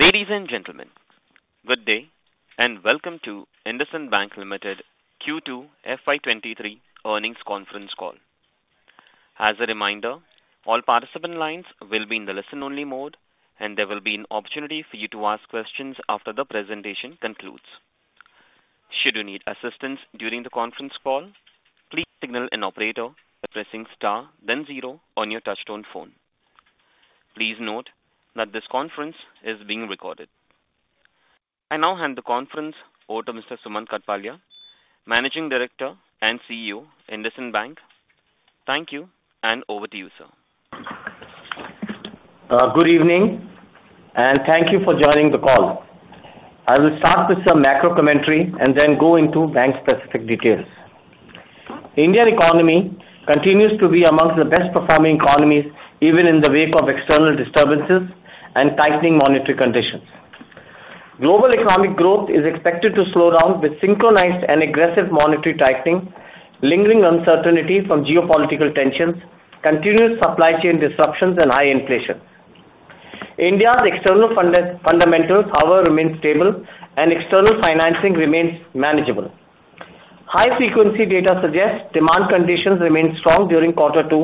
Ladies and gentlemen, good day and welcome to IndusInd Bank Limited Q2 FY 2023 earnings conference call. As a reminder, all participant lines will be in the listen-only mode, and there will be an opportunity for you to ask questions after the presentation concludes. Should you need assistance during the conference call, please signal an operator by pressing star then zero on your touchtone phone. Please note that this conference is being recorded. I now hand the conference over to Mr. Sumant Kathpalia, Managing Director and CEO, IndusInd Bank. Thank you, and over to you, sir. Good evening, and thank you for joining the call. I will start with some macro commentary and then go into bank-specific details. Indian economy continues to be among the best-performing economies, even in the wake of external disturbances and tightening monetary conditions. Global economic growth is expected to slow down with synchronized and aggressive monetary tightening, lingering uncertainty from geopolitical tensions, continuous supply chain disruptions and high inflation. India's external fundamentals, however, remain stable and external financing remains manageable. High-frequency data suggests demand conditions remained strong during Q2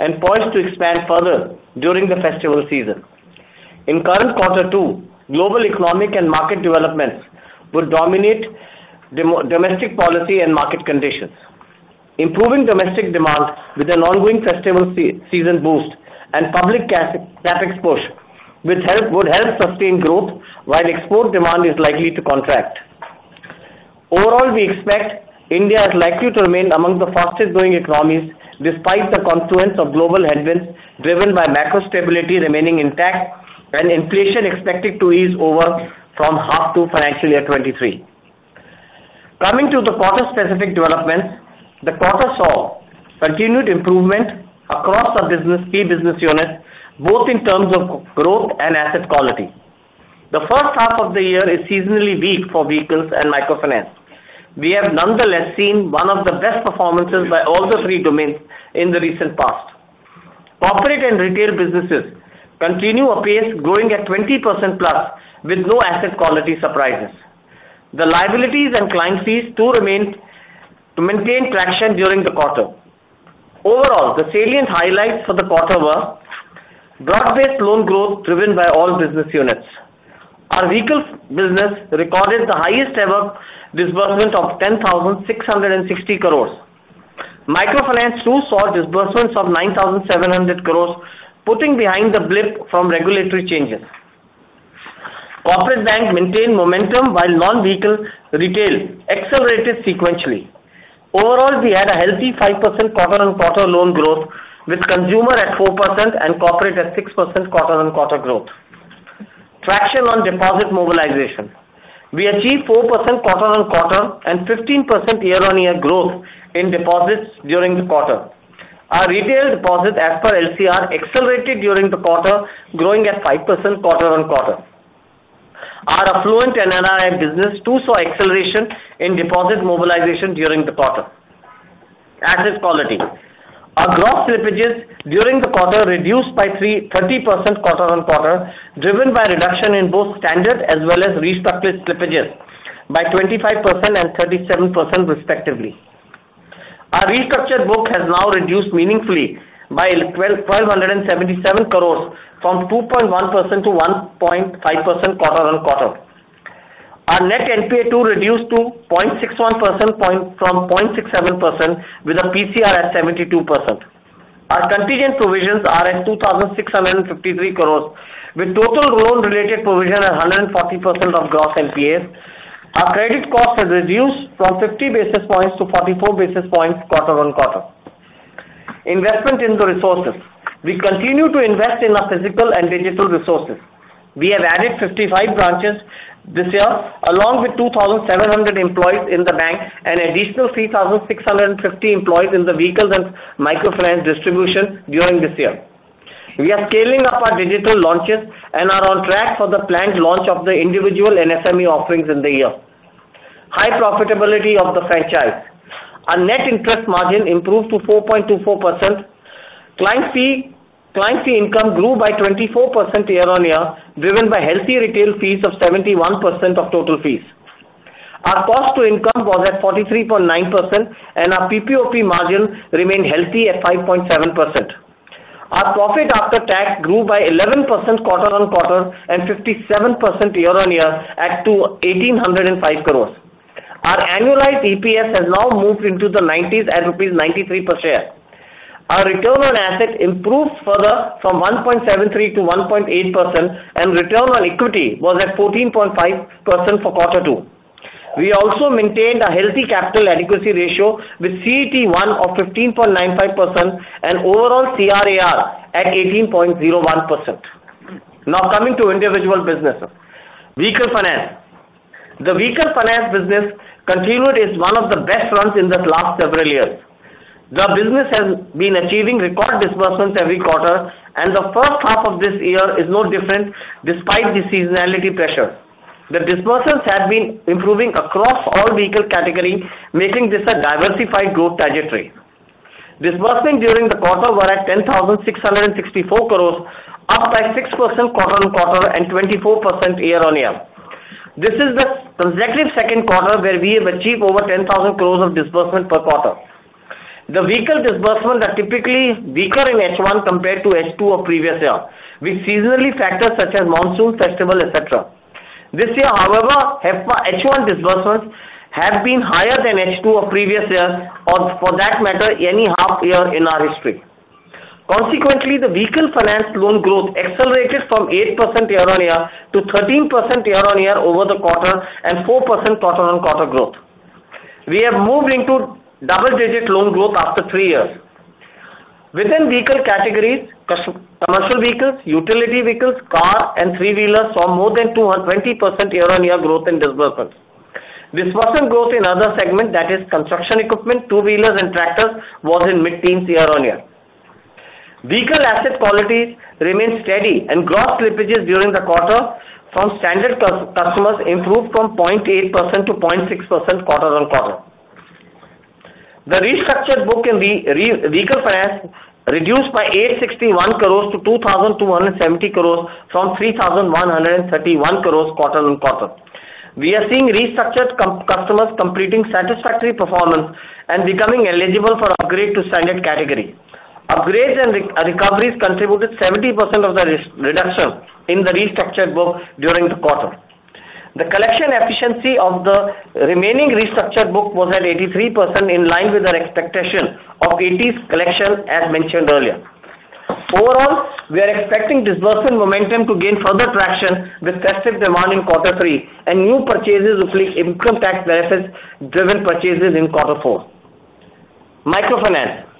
and poised to expand further during the festival season. In current Q2, global economic and market developments will dominate domestic policy and market conditions. Improving domestic demand with an ongoing festival season boost and public capex push would help sustain growth while export demand is likely to contract. Overall, we expect India is likely to remain among the fastest-growing economies despite the confluence of global headwinds driven by macro stability remaining intact and inflation expected to ease over from H2 financial year 2023. Coming to the quarter-specific developments, the quarter saw continued improvement across our business, key business units, both in terms of growth and asset quality. The first half of the year is seasonally weak for vehicles and microfinance. We have nonetheless seen one of the best performances by all the three domains in the recent past. Corporate and retail businesses continue apace, growing at 20%+ with no asset quality surprises. The liabilities and client fees too maintained traction during the quarter. Overall, the salient highlights for the quarter were broad-based loan growth driven by all business units. Our vehicles business recorded the highest ever disbursement of 10,600 crores. Microfinance too saw disbursements of 9,700 crores, putting behind the blip from regulatory changes. Corporate bank maintained momentum while non-vehicle retail accelerated sequentially. Overall, we had a healthy 5% quarter-on-quarter loan growth with consumer at 4% and corporate at 6% quarter-on-quarter growth. Traction on deposit mobilization. We achieved 4% quarter-on-quarter and 15% year-on-year growth in deposits during the quarter. Our retail deposits as per LCR accelerated during the quarter, growing at 5% quarter-on-quarter. Our affluent and NRI business too saw acceleration in deposit mobilization during the quarter. Asset quality. Our gross slippages during the quarter reduced by thirty percent quarter-on-quarter, driven by a reduction in both standard as well as restructured slippages by 25% and 37% respectively. Our restructured book has now reduced meaningfully by 1,277 crore from 2.1% to 1.5% quarter-on-quarter. Our net NPA too reduced to 0.61% from 0.67% with a PCR at 72%. Our contingent provisions are at 2,653 crore with total loan-related provision at 140% of gross NPAs. Our credit cost has reduced from 50 basis points to 44 basis points quarter-on-quarter. Investment in the resources. We continue to invest in our physical and digital resources. We have added 55 branches this year along with 2,700 employees in the bank and additional 3,650 employees in the vehicles and microfinance distribution during this year. We are scaling up our digital launches and are on track for the planned launch of the individual and SME offerings in the year. High profitability of the franchise. Our net interest margin improved to 4.24%. Client fee income grew by 24% year-on-year, driven by healthy retail fees of 71% of total fees. Our cost to income was at 43.9% and our PPOP margin remained healthy at 5.7%. Our profit after tax grew by 11% quarter-on-quarter and 57% year-on-year at 1,805 crores. Our annualized EPS has now moved into the nineties at rupees 93 per share. Our return on assets improved further from 1.73% to 1.8% and return on equity was at 14.5% for Q2. We also maintained a healthy capital adequacy ratio with CET1 of 15.95% and overall CRAR at 18.01%. Now coming to individual businesses. Vehicle finance. The vehicle finance business continued as one of the best runs in the last several years. The business has been achieving record disbursements every quarter and the first half of this year is no different despite the seasonality pressure. The disbursements have been improving across all vehicle categories, making this a diversified growth trajectory. Disbursement during the quarter were at 10,664 crore, up 6% quarter-on-quarter and 24% year-on-year. This is the consecutive second quarter where we have achieved over 10,000 crore of disbursement per quarter. Vehicle disbursements are typically weaker in H1 compared to H2 of previous year, with seasonal factors such as monsoon, festival, et cetera. This year, however, our H1 disbursements have been higher than H2 of previous years or for that matter, any half year in our history. Consequently, the vehicle finance loan growth accelerated from 8% year-on-year to 13% year-on-year over the quarter and 4% quarter-on-quarter growth. We have moved into double-digit loan growth after 3 years. Within vehicle categories, commercial vehicles, utility vehicles, cars and three-wheelers saw more than 220% year-on-year growth in disbursements. Disbursement growth in other segment, that is construction equipment, two-wheelers and tractors, was in mid-teens year on year. Vehicle asset quality remained steady and gross slippages during the quarter from standard customers improved from 0.8% to 0.6% quarter on quarter. The restructured book in vehicle finance reduced by 861 crore to 2,270 crore from 3,131 crore quarter-on-quarter. We are seeing restructured customers completing satisfactory performance and becoming eligible for upgrade to standard category. Upgrades and recoveries contributed 70% of the reduction in the restructured book during the quarter. The collection efficiency of the remaining restructured book was at 83% in line with our expectation of 80% collection as mentioned earlier. Overall, we are expecting disbursement momentum to gain further traction with festive demand in Q3 and new purchases reflecting income tax benefit-driven purchases in Q4. Microfinance.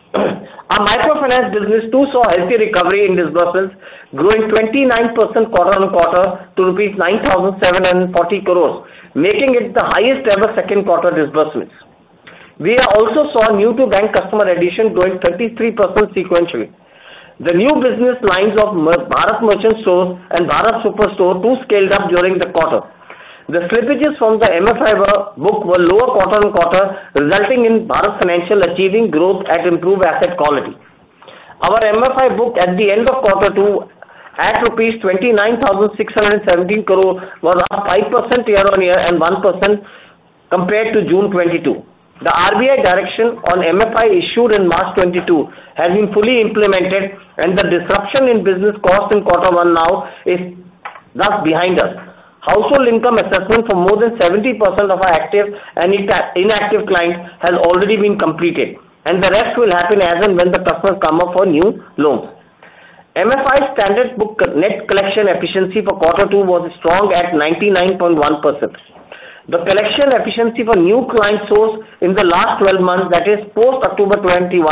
Our microfinance business too saw healthy recovery in disbursements growing 29% quarter-on-quarter to rupees 9,740 crore, making it the highest ever Q2 disbursements. We also saw new to bank customer addition growing 33% sequentially. The new business lines of Bharat Merchant Store and Bharat Superstore too scaled up during the quarter. The slippages from the MFI book were lower quarter on quarter, resulting in Bharat Financial achieving growth at improved asset quality. Our MFI book at the end of Q2 at rupees 29,617 crore was up 5% year on year and 1% compared to June 2022. The RBI direction on MFI issued in March 2022 has been fully implemented and the disruption in business costs in Q1 now is thus behind us. Household income assessment for more than 70% of our active and inactive clients has already been completed, and the rest will happen as and when the customers come up for new loans. MFI standard book net collection efficiency for Q2 was strong at 99.1%. The collection efficiency for new client source in the last 12 months, that is post-October 2021,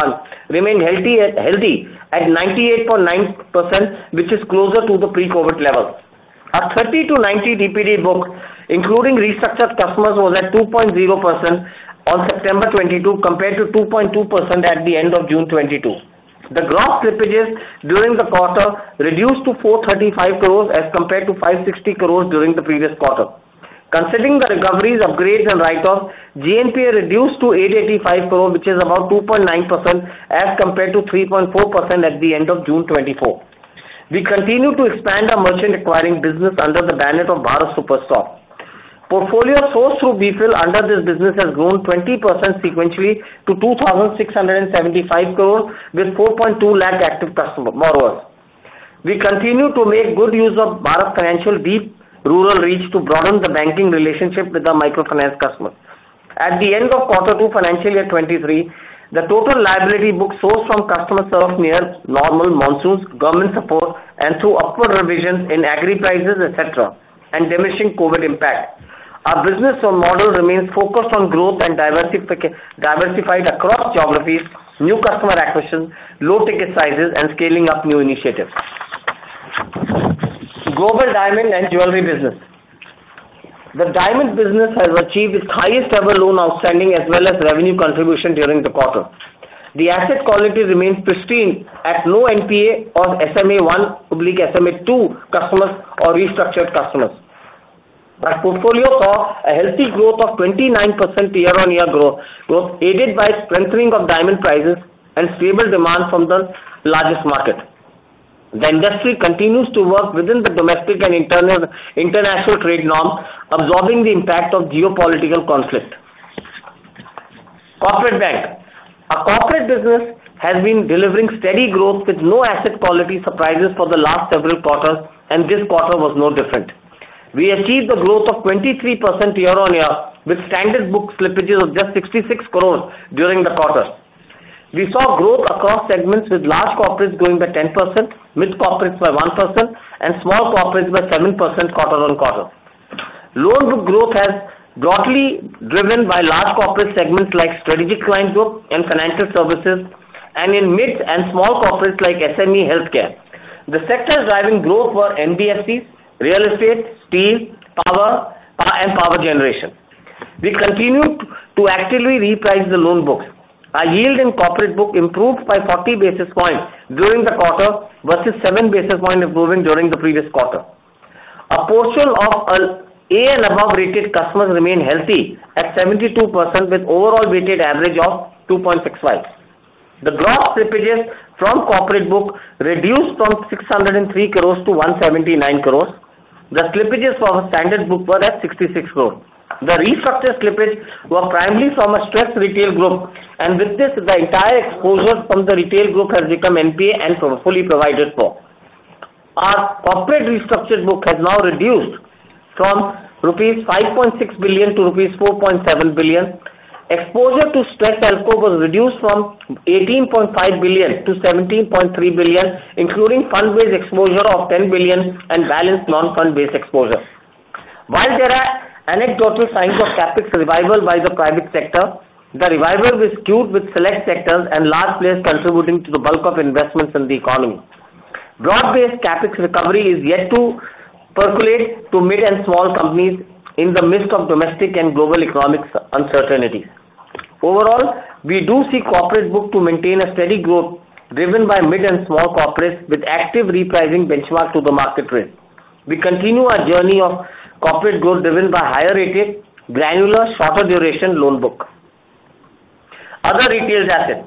remained healthy at 98.9%, which is closer to the pre-COVID level. Our 30-90 DPD book, including restructured customers, was at 2.0% on September 2022 compared to 2.2% at the end of June 2022. The gross slippages during the quarter reduced to 435 crore as compared to 560 crore during the previous quarter. Considering the recoveries, upgrades and write-offs, GNPA reduced to INR 885 crore, which is about 2.9% as compared to 3.4% at the end of June 2022. We continue to expand our merchant acquiring business under the banner of Bharat Superstore. Portfolio sourced through BFIL under this business has grown 20% sequentially to 2,675 crore with 4.2 lakh active customers. Moreover, we continue to make good use of Bharat Financial's deep rural reach to broaden the banking relationship with our microfinance customers. At the end of Q2 financial year 2023, the total liability book sourced from customers arose from near normal monsoons, government support, and through upward revisions in agri prices, etc., and diminishing COVID impact. Our business model remains focused on growth and diversified across geographies, new customer acquisition, low ticket sizes and scaling up new initiatives. Global diamond and jewelry business. The diamond business has achieved its highest ever loan outstanding as well as revenue contribution during the quarter. The asset quality remains pristine with low NPA or SMA-1/SMA-2 customers or restructured customers. Our portfolio saw a healthy growth of 29% year-on-year, aided by strengthening of diamond prices and stable demand from the largest market. The industry continues to work within the domestic and international trade norms, absorbing the impact of geopolitical conflict. Corporate bank. Our corporate business has been delivering steady growth with no asset quality surprises for the last several quarters, and this quarter was no different. We achieved a growth of 23% year-on-year, with standard book slippages of just 66 crore during the quarter. We saw growth across segments with large corporates growing by 10%, mid corporates by 1%, and small corporates by 7% quarter-on-quarter. Loan book growth has broadly driven by large corporate segments like strategic client group and financial services, and in mid and small corporates like SME healthcare. The sectors driving growth were NBFCs, real estate, steel, power and power generation. We continued to actively reprice the loan books. Our yield in corporate book improved by 40 basis points during the quarter versus 7 basis points improvement during the previous quarter. A portion of A and above rated customers remain healthy at 72% with overall weighted average of 2.65. The gross slippages from corporate book reduced from 603 crores to 179 crores. The slippages from a standard book were at 66 crores. The restructured slippage were primarily from a stressed retail group, and with this the entire exposure from the retail group has become NPA and fully provided for. Our corporate restructure book has now reduced from rupees 5.6 billion to rupees 4.7 billion. Exposure to stressed ALCO was reduced from 18.5 billion to 17.3 billion, including fund-based exposure of 10 billion and balance non-fund-based exposure. While there are anecdotal signs of CapEx revival by the private sector, the revival is skewed with select sectors and large players contributing to the bulk of investments in the economy. Broad-based CapEx recovery is yet to percolate to mid and small companies in the midst of domestic and global economic uncertainties. Overall, we do see corporate book to maintain a steady growth driven by mid and small corporates with active repricing benchmark to the market rate. We continue our journey of corporate growth driven by higher rated granular shorter duration loan book. Other retail assets.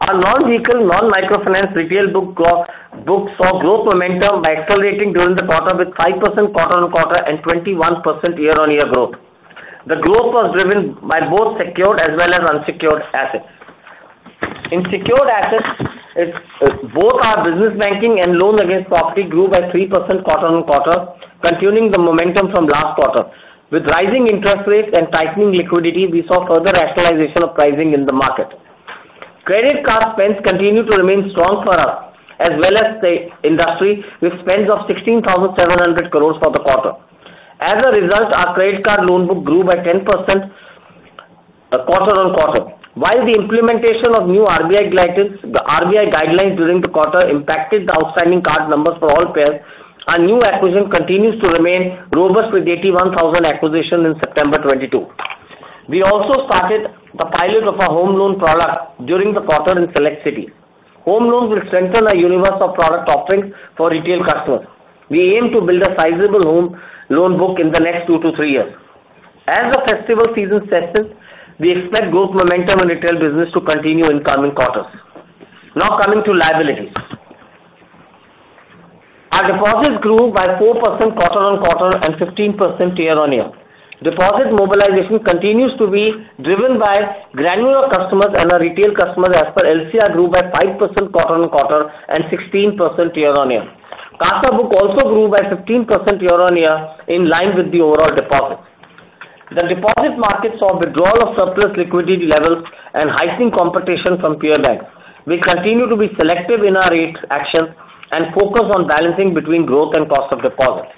Our non-vehicle, non-microfinance retail book saw growth momentum by accelerating during the quarter with 5% quarter-on-quarter and 21% year-on-year growth. The growth was driven by both secured as well as unsecured assets. In secured assets, both our business banking and loan against property grew by 3% quarter-on-quarter, continuing the momentum from last quarter. With rising interest rates and tightening liquidity, we saw further rationalization of pricing in the market. Credit card spends continue to remain strong for us as well as the industry with spends of 16,700 crore for the quarter. As a result, our credit card loan book grew by 10% quarter-on-quarter. While the implementation of new RBI guidelines during the quarter impacted the outstanding card numbers for all players, our new acquisition continues to remain robust with 81,000 acquisitions in September 2022. We also started the pilot of our home loan product during the quarter in select cities. Home loans will strengthen our universe of product offerings for retail customers. We aim to build a sizable home loan book in the next 2-3 years. As the festival season sets in, we expect growth momentum in retail business to continue in coming quarters. Now coming to liabilities. Our deposits grew by 4% quarter-on-quarter and 15% year-on-year. Deposit mobilization continues to be driven by granular customers and our retail customers as per CASA grew by 5% quarter-on-quarter and 16% year-on-year. CASA book also grew by 15% year-on-year in line with the overall deposits. The deposit market saw withdrawal of surplus liquidity levels and heightened competition from peer banks. We continue to be selective in our rates action and focus on balancing between growth and cost of deposits.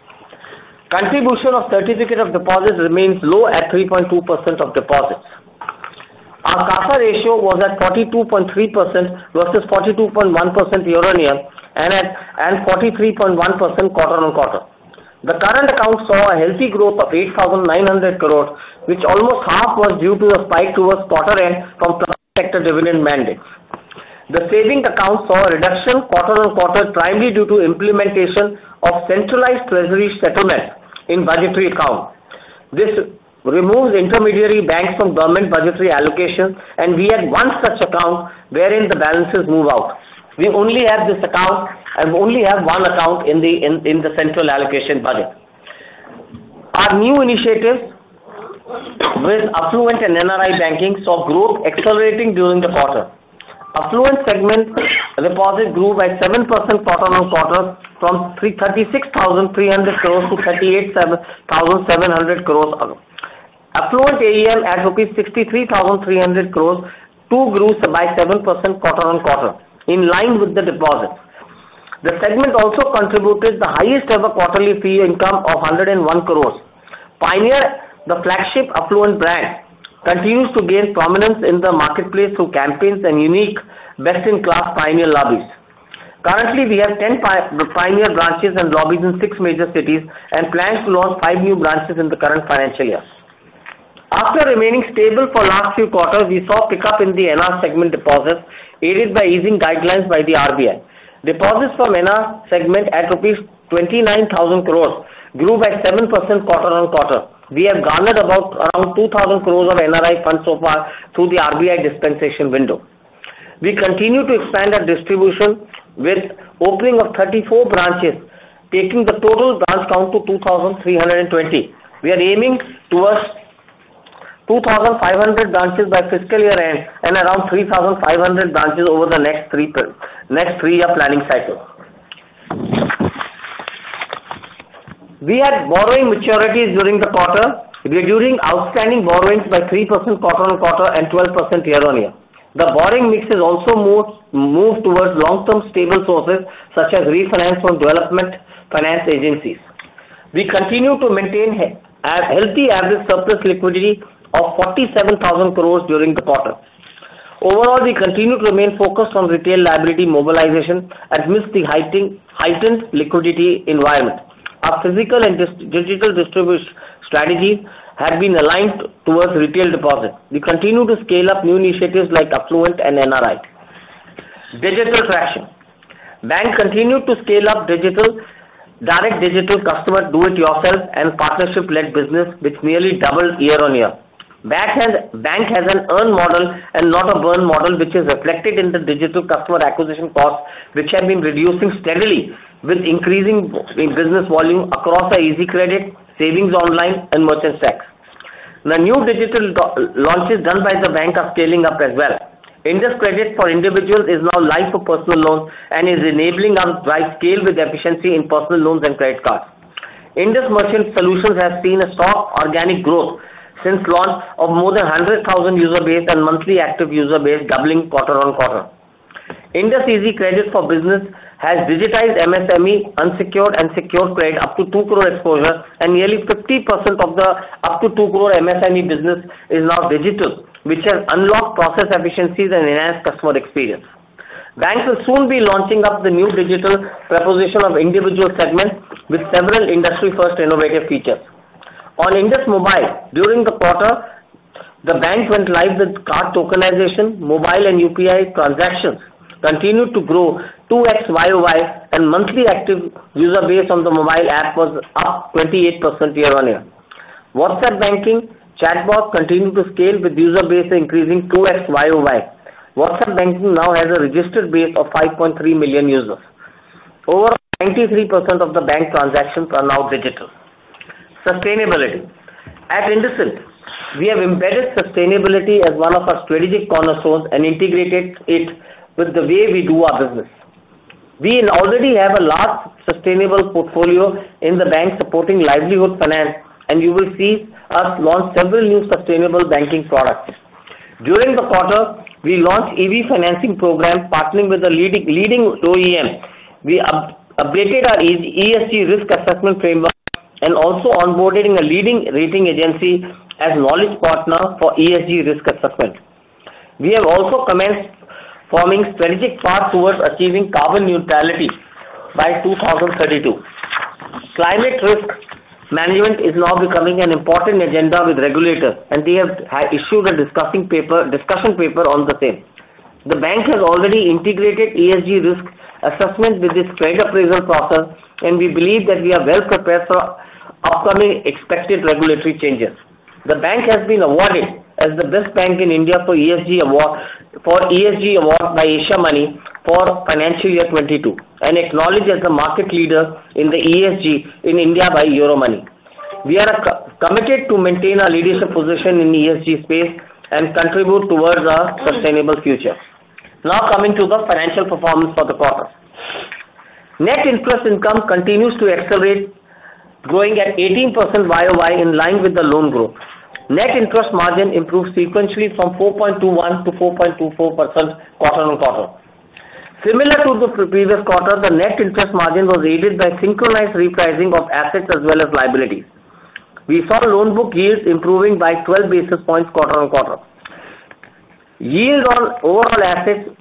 Contribution of certificates of deposit remains low at 3.2% of deposits. Our CASA ratio was at 42.3% versus 42.1% year-over-year and at 43.1% quarter-over-quarter. The current account saw a healthy growth of 8,900 crores, which almost half was due to a spike towards quarter end from corporate dividend mandates. The savings account saw a reduction quarter-over-quarter, primarily due to implementation of centralized treasury settlement in budgetary account. This removes intermediary banks from government budgetary allocations, and we had one such account wherein the balances move out. We only have this account and only have one account in the central allocation budget. Our new initiatives with affluent and NRI banking saw growth accelerating during the quarter. Affluent segment deposits grew by 7% quarter-on-quarter from 336,300 crores to 387,700 crores. Affluent AUM at rupees 63,300 crores too grew by 7% quarter-on-quarter in line with the deposits. The segment also contributed the highest ever quarterly fee income of 101 crores. Pioneer, the flagship affluent brand, continues to gain prominence in the marketplace through campaigns and unique best in class Pioneer lobbies. Currently, we have 10 Pioneer branches and lobbies in six major cities and plan to launch five new branches in the current financial year. After remaining stable for last few quarters, we saw pickup in the NR segment deposits aided by easing guidelines by the RBI. Deposits from NR segment at INR 29,000 crores grew by 7% quarter-on-quarter. We have garnered about 2,000 crores of NRI funds so far through the RBI dispensation window. We continue to expand our distribution with opening of 34 branches, taking the total branch count to 2,320. We are aiming towards 2,500 branches by fiscal year-end and around 3,500 branches over the next three-year planning cycle. We had borrowing maturities during the quarter reducing outstanding borrowings by 3% quarter-on-quarter and 12% year-on-year. The borrowing mix has also moved towards long-term stable sources such as refinance from development finance agencies. We continue to maintain a healthy average surplus liquidity of 47,000 crores during the quarter. Overall, we continue to remain focused on retail liability mobilization amidst the heightened liquidity environment. Our physical and digital distribution strategy had been aligned toward retail deposits. We continue to scale up new initiatives like Affluent and NRI. Digital traction. Bank continued to scale up digital, direct digital customer do it yourself and partnership-led business, which nearly doubled year-over-year. Bank has an earn model and not a burn model, which is reflected in the digital customer acquisition costs, which have been reducing steadily with increasing business volume across our easy credit, savings online and merchant stacks. The new digital launches done by the bank are scaling up as well. IndusEasyCredit for individuals is now live for personal loans and is enabling us drive scale with efficiency in personal loans and credit cards. Indus Merchant Solutions has seen a strong organic growth since launch of more than 100,000 user base and monthly active user base doubling quarter-over-quarter. IndusEasyCredit for Business has digitized MSME unsecured and secured credit up to 2 crore exposure and nearly 50% of the up to 2 crore MSME business is now digital, which has unlocked process efficiencies and enhanced customer experience. Bank will soon be launching a new digital proposition for individual segments with several industry-first innovative features. On IndusMobile, during the quarter, the bank went live with card tokenization, mobile and UPI transactions continued to grow 2x YoY, and monthly active user base on the mobile app was up 28% year-on-year. WhatsApp banking chatbot continued to scale with user base increasing 2x YoY. WhatsApp banking now has a registered base of 5.3 million users. Over 93% of the bank transactions are now digital. Sustainability. At IndusInd, we have embedded sustainability as one of our strategic cornerstones and integrated it with the way we do our business. We already have a large sustainable portfolio in the bank supporting livelihood finance, and you will see us launch several new sustainable banking products. During the quarter, we launched EV financing program partnering with the leading OEM. We upgraded our ESG risk assessment framework and also onboarded a leading rating agency as knowledge partner for ESG risk assessment. We have also commenced forming strategic path towards achieving carbon neutrality by 2032. Climate risk management is now becoming an important agenda with regulators, and they have issued a discussion paper on the same. The bank has already integrated ESG risk assessment with its credit appraisal process, and we believe that we are well prepared for upcoming expected regulatory changes. The bank has been awarded as the best bank in India for ESG award by Asiamoney for financial year 2022 and acknowledged as the market leader in ESG in India by Euromoney. We are committed to maintain our leadership position in ESG space and contribute towards a sustainable future. Now, coming to the financial performance for the quarter. Net interest income continues to accelerate, growing at 18% YoY in line with the loan growth. Net interest margin improved sequentially from 4.21% to 4.24% quarter-over-quarter. Similar to the previous quarter, the net interest margin was aided by synchronized repricing of assets as well as liabilities. We saw loan book yields improving by 12 basis points quarter-over-quarter. Yield on overall assets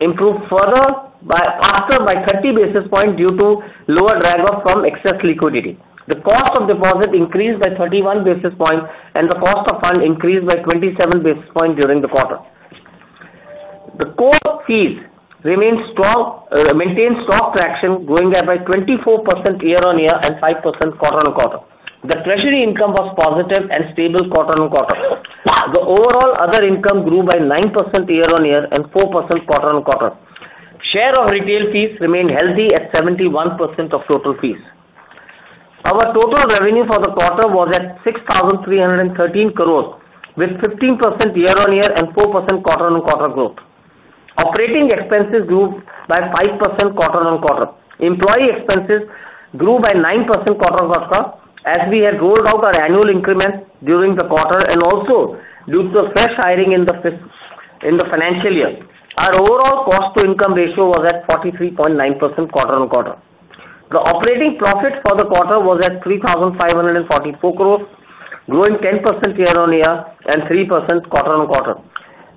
improved further by 30 basis points due to lower drag from excess liquidity. The cost of deposit increased by 31 basis point, and the cost of fund increased by 27 basis point during the quarter. The core fees remains strong, maintains strong traction growing at by 24% year-on-year and 5% quarter-on-quarter. The treasury income was positive and stable quarter-on-quarter. The overall other income grew by 9% year-on-year and 4% quarter-on-quarter. Share of retail fees remained healthy at 71% of total fees. Our total revenue for the quarter was at 6,313 crore with 15% year-on-year and 4% quarter-on-quarter growth. Operating expenses grew by 5% quarter-on-quarter. Employee expenses grew by 9% quarter-over-quarter as we had rolled out our annual increments during the quarter and also due to a fresh hiring in the financial year. Our overall cost to income ratio was at 43.9% quarter-on-quarter. The operating profit for the quarter was at 3,544 crore, growing 10% year-on-year and 3% quarter-on-quarter.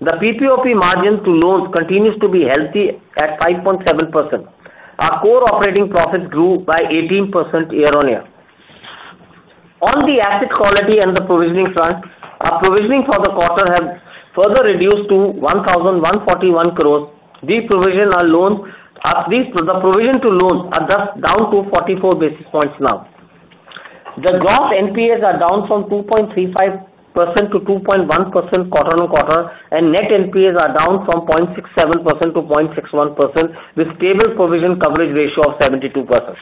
The PPOP margin to loans continues to be healthy at 5.7%. Our core operating profit grew by 18% year-on-year. On the asset quality and the provisioning front, our provisioning for the quarter has further reduced to 1,141 crore. The provision to loans are thus down to 44 basis points now. The gross NPAs are down from 2.35% to 2.1% quarter-on-quarter and net NPAs are down from 0.67% to 0.61% with stable provision coverage ratio of 72%.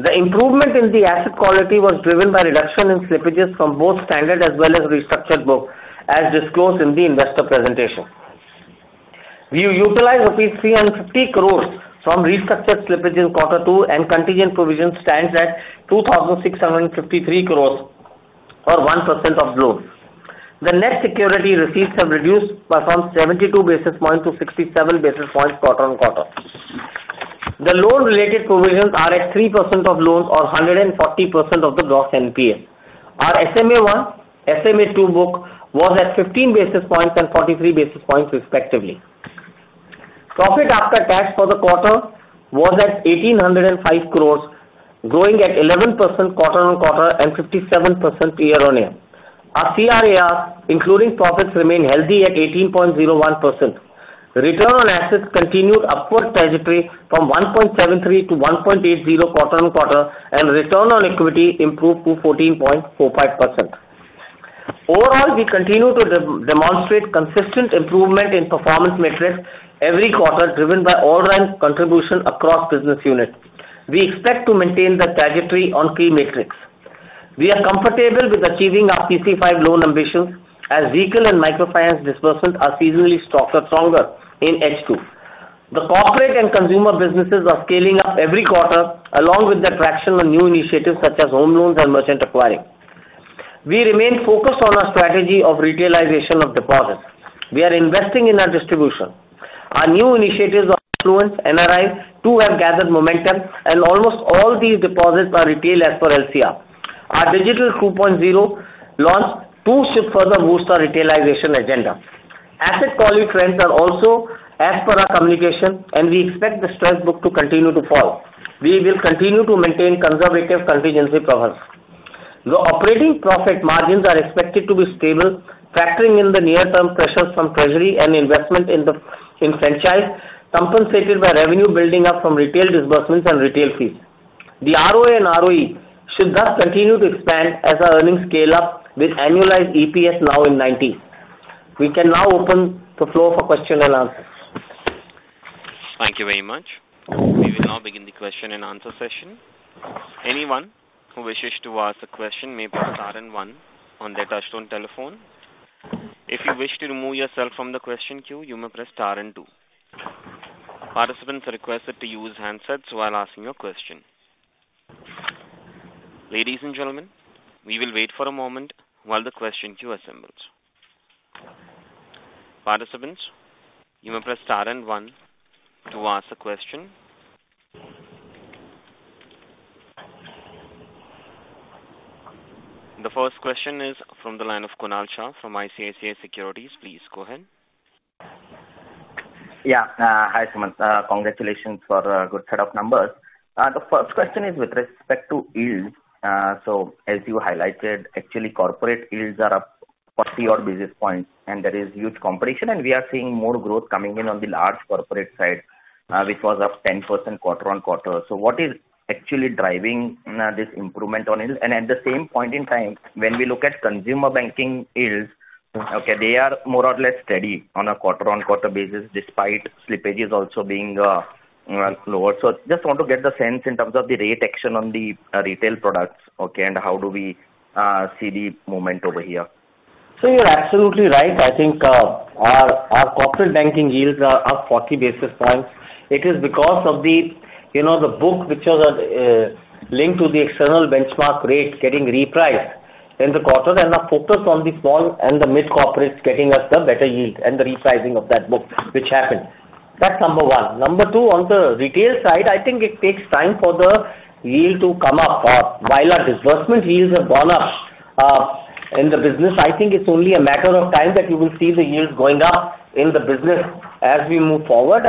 The improvement in the asset quality was driven by reduction in slippages from both standard as well as restructured book as disclosed in the investor presentation. We utilized rupees 350 crores from restructured slippage in quarter two and contingent provision stands at 2,653 crores or 1% of loans. The net security receipts have reduced from 72 basis point to 67 basis points quarter-on-quarter. The loan-related provisions are at 3% of loans or 140% of the gross NPA. Our SMA-one, SMA-two book was at 15 basis points and 43 basis points respectively. Profit after tax for the quarter was at 1,805 crores, growing at 11% quarter-on-quarter and 57% year-on-year. Our CRAR, including profits, remain healthy at 18.01%. Return on assets continued upward trajectory from 1.73 to 1.80 quarter-on-quarter and return on equity improved to 14.45%. Overall, we continue to demonstrate consistent improvement in performance metrics every quarter, driven by all-round contribution across business units. We expect to maintain the trajectory on key metrics. We are comfortable with achieving our PC-5 loan ambitions as vehicle and microfinance disbursements are seasonally stronger in H2. The corporate and consumer businesses are scaling up every quarter along with the traction on new initiatives such as home loans and merchant acquiring. We remain focused on our strategy of retailization of deposits. We are investing in our distribution. Our new initiatives of Indus NRI too have gathered momentum and almost all these deposits are retail as per LCR. Our Digital 2.0 launched to further boost our retailization agenda. Asset quality trends are also as per our communication, and we expect the stress book to continue to fall. We will continue to maintain conservative contingency covers. The operating profit margins are expected to be stable, factoring in the near-term pressures from treasury and investment in the franchise, compensated by revenue building up from retail disbursements and retail fees. The ROA and ROE should thus continue to expand as our earnings scale up with annualized EPS now at 90. We can now open the floor for question and answer. Thank you very much. We will now begin the question and answer session. Anyone who wishes to ask a question may press star and one on their touchtone telephone. If you wish to remove yourself from the question queue, you may press star and two. Participants are requested to use handsets while asking your question. Ladies and gentlemen, we will wait for a moment while the question queue assembles. Participants, you may press star and one to ask a question. The first question is from the line of Kunal Shah from ICICI Securities. Please go ahead. Yeah. Hi, Sumant. Congratulations for a good set of numbers. The first question is with respect to yields. As you highlighted, actually corporate yields are up 40-odd basis points and there is huge competition, and we are seeing more growth coming in on the large corporate side, which was up 10% quarter-on-quarter. What is actually driving this improvement on yield? And at the same point in time, when we look at consumer banking yields, okay, they are more or less steady on a quarter-on-quarter basis, despite slippages also being lower. Just want to get the sense in terms of the rate action on the retail products. And how do we see the momentum over here? You're absolutely right. I think our corporate banking yields are up 40 basis points. It is because of the, you know, the book which was linked to the external benchmark rate getting repriced in the quarter and the focus on the small and the mid corporates getting us the better yield and the repricing of that book which happened. That's number 1. Number 2, on the retail side, I think it takes time for the yield to come up. While our disbursement yields have gone up in the business, I think it's only a matter of time that you will see the yields going up in the business as we move forward.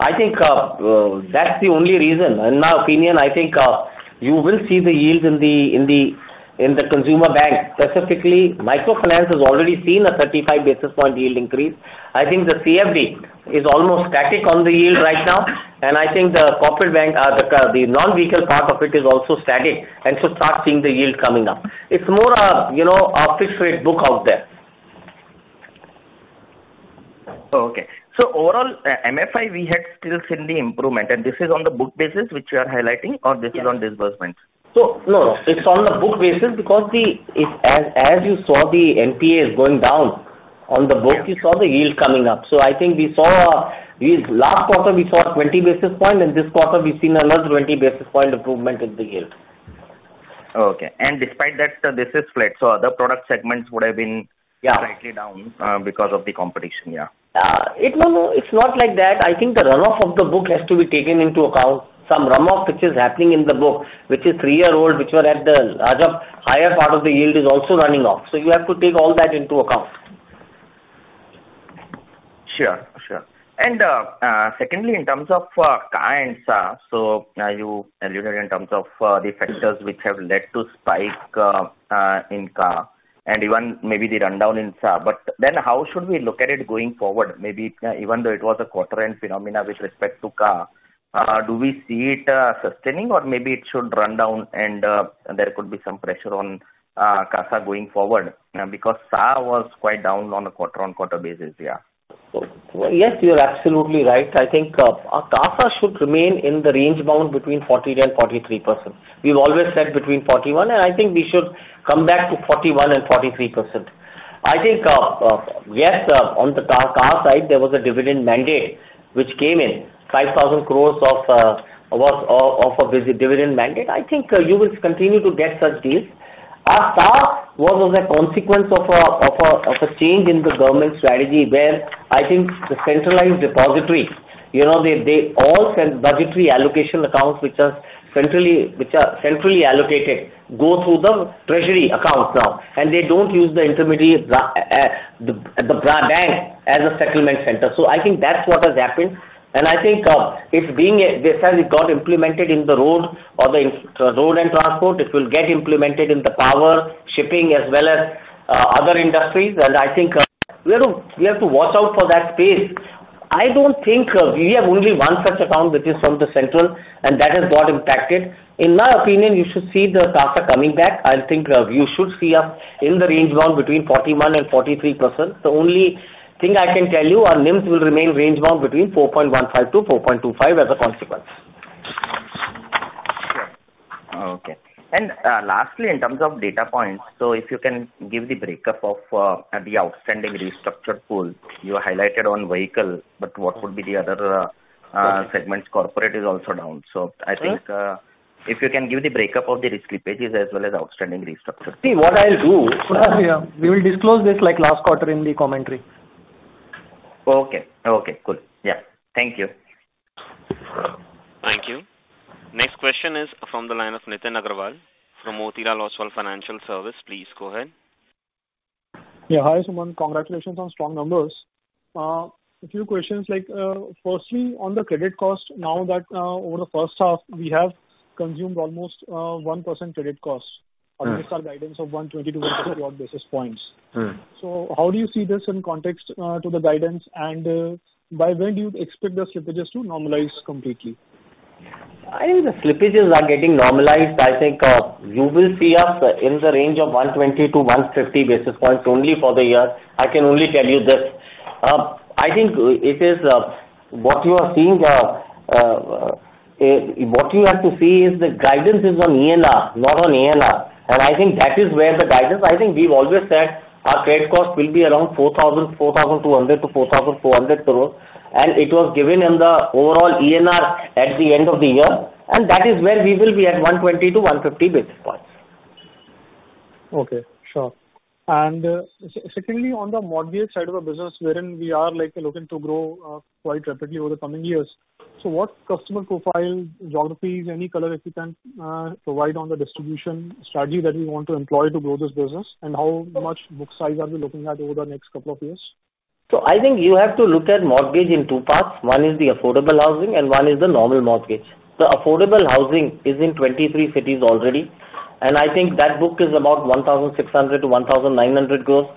I think that's the only reason. In my opinion, I think you will see the yields in the consumer bank. Specifically, microfinance has already seen a 35 basis point yield increase. I think the CV is almost static on the yield right now, and I think the corporate bank, the non-vehicle part of it is also static and should start seeing the yield coming up. It's more a, you know, a fixed rate book out there. Oh, okay. Overall, MFI, we had still seen the improvement and this is on the book basis which you are highlighting or this is on disbursements? No. It's on the book basis because as you saw the NPAs going down on the book, you saw the yield coming up. I think we saw a yield. Last quarter we saw 20 basis points and this quarter we've seen another 20 basis points improvement in the yield. Okay. Despite that, this is flat, so other product segments would have been. Yeah. Slightly down, because of the competition. Yeah. It's not like that. I think the runoff of the book has to be taken into account. Some runoff which is happening in the book, which is three-year-old, which were at the larger, higher part of the yield is also running off. You have to take all that into account. Sure, sure. Secondly, in terms of CA and SA. You alluded in terms of the factors which have led to spike in CA and even maybe the rundown in SA. How should we look at it going forward? Maybe even though it was a quarter-end phenomenon with respect to CA, do we see it sustaining or maybe it should run down and there could be some pressure on CASA going forward? Because SA was quite down on a quarter-on-quarter basis. Yeah. Yes, you're absolutely right. I think our CASA should remain range bound between 40%-43%. We've always said between 41%, and I think we should come back to 41%-43%. I think yes, on the CA side, there was a dividend mandate which came in, 5,000 crore of a dividend mandate. I think you will continue to get such deals. Our SA was as a consequence of a change in the government strategy where I think the centralized depository, you know, they all send budgetary allocation accounts which are centrally allocated, go through the treasury account now, and they don't use the intermediary, the bank as a settlement center. I think that's what has happened. I think it's being. Just as it got implemented in the road or infrastructure road and transport, it will get implemented in the power, shipping as well as other industries. I think we have to watch out for that space. I don't think we have only one such account which is from the central and that has got impacted. In my opinion, you should see the CASA coming back. I think you should see us range-bound between 41%-43%. The only thing I can tell you, our NIMs will remain range-bound between 4.15%-4.25% as a consequence. Lastly, in terms of data points. If you can give the break-up of the outstanding restructured pool. You highlighted on vehicle, but what would be the other segments? Corporate is also down. I think if you can give the break-up of the risk slippages as well as outstanding restructures. See, what I'll do. Yeah. We will disclose this like last quarter in the commentary. Okay. Okay, cool. Yeah. Thank you. Thank you. Next question is from the line of Nitin Aggarwal from Motilal Oswal Financial Services. Please go ahead. Yeah. Hi, Sumant. Congratulations on strong numbers. A few questions like, firstly, on the credit cost now that, over the first half we have consumed almost 1% credit costs against our guidance of 120-122 basis points. Mm-hmm. How do you see this in context to the guidance? By when do you expect the slippages to normalize completely? I think the slippages are getting normalized. I think you will see us in the range of 120-150 basis points only for the year. I can only tell you this. I think it is what you have to see is the guidance is on ENR, not on ANR. I think that is where the guidance. I think we've always said our credit cost will be around 4,200-4,400 crore. It was given in the overall ENR at the end of the year. That is where we will be at 120-150 basis points. Okay. Sure. Secondly, on the mortgage side of the business wherein we are like looking to grow quite rapidly over the coming years. What customer profile, geographies, any color if you can provide on the distribution strategy that we want to employ to grow this business? How much book size are we looking at over the next couple of years? I think you have to look at mortgage in two parts. One is the affordable housing and one is the normal mortgage. The affordable housing is in 23 cities already, and I think that book is about 1,600-1,900 crore.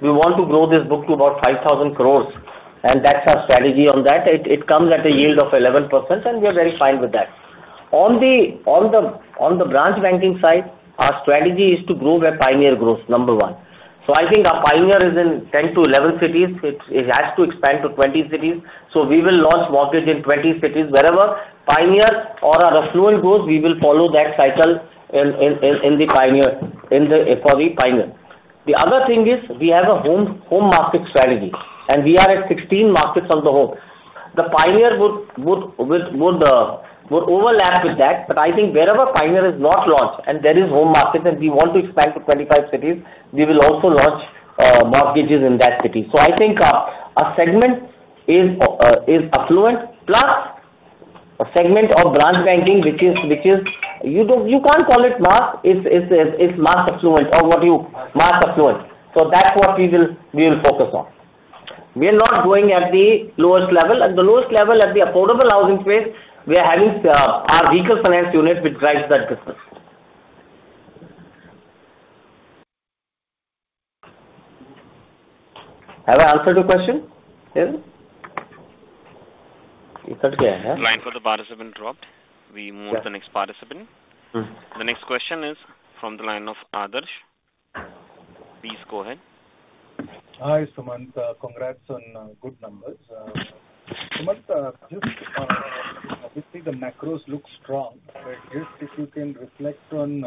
We want to grow this book to about 5,000 crore, and that's our strategy on that. It comes at a yield of 11% and we are very fine with that. On the branch banking side, our strategy is to grow where Pioneer grows, number one. I think our Pioneer is in 10-11 cities. It has to expand to 20 cities. We will launch mortgage in 20 cities. Wherever Pioneer or our affluent grows, we will follow that cycle in the Pioneer for the Pioneer. The other thing is we have a home market strategy, and we are at 16 markets on the home. Pioneer would overlap with that. I think wherever Pioneer is not launched and there is home market and we want to expand to 25 cities, we will also launch mortgages in that city. Our segment is affluent plus a segment of branch banking, which is you don't, you can't call it mass. It's mass affluent or what you Mass affluent. Mass affluent. That's what we will focus on. We are not going at the lowest level. At the lowest level, at the affordable housing space, we are having our vehicle finance unit which drives that business. Have I answered your question? Yes? Line for the participant dropped. We move to the next participant. Mm-hmm. The next question is from the line of Adarsh. Please go ahead. Hi, Sumant. Congrats on good numbers. Sumant, just on obviously the macros look strong. Just if you can reflect on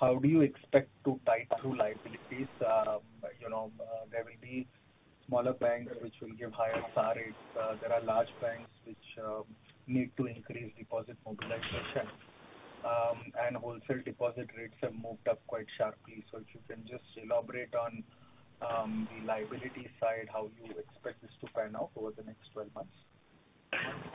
how do you expect to tide through liabilities? You know, there will be smaller banks which will give higher CASA rates. There are large banks which need to increase deposit mobilization. Wholesale deposit rates have moved up quite sharply. If you can just elaborate on the liability side, how you expect this to pan out over the next 12 months.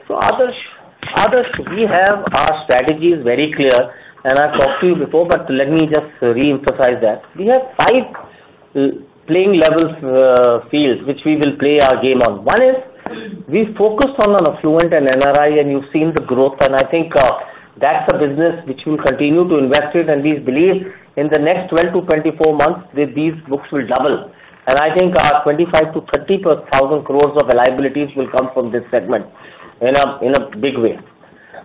Adarsh, we have our strategies very clear, and I've talked to you before, but let me just re-emphasize that. We have five playing fields which we will play our game on. One is we focus on an affluent and NRI, and you've seen the growth, and I think that's a business which we'll continue to invest in. We believe in the next 12-24 months, these books will double. I think our 25,000-30,000 crores of liabilities will come from this segment in a big way.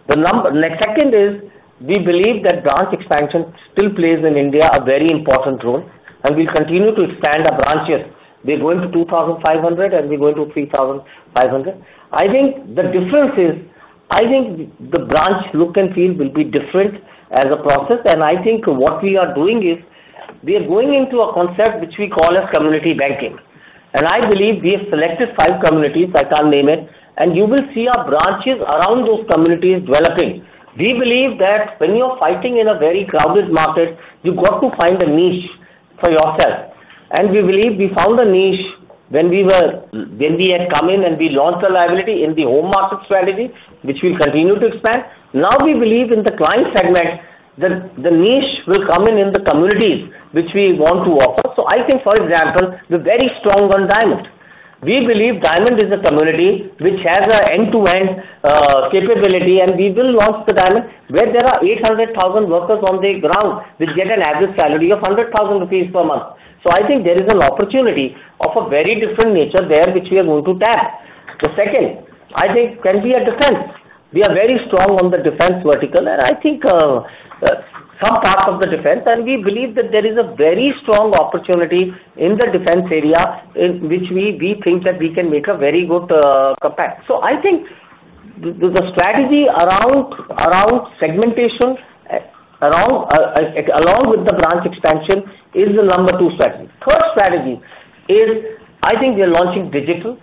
The second is, we believe that branch expansion still plays in India a very important role, and we continue to expand our branches. We're going to 2,500 and we're going to 3,500. I think the difference is, I think the branch look and feel will be different as a process. I think what we are doing is we are going into a concept which we call as community banking. I believe we have selected 5 communities, I can't name it, and you will see our branches around those communities developing. We believe that when you are fighting in a very crowded market, you've got to find a niche for yourself. We believe we found a niche when we were, when we had come in and we launched a liability in the home market strategy, which we'll continue to expand. Now we believe in the client segment that the niche will come in the communities which we want to offer. I think, for example, we're very strong on diamond. We believe diamond is a community which has an end-to-end capability, and we will launch the diamond where there are 800,000 workers on the ground which get an average salary of 100,000 rupees per month. I think there is an opportunity of a very different nature there, which we are going to tap. The second, I think can be a defense. We are very strong on the defense vertical, and I think some parts of the defense, and we believe that there is a very strong opportunity in the defense area in which we think that we can make a very good impact. I think the strategy around segmentation along with the branch expansion is the number two strategy. Third strategy is I think we are launching digital.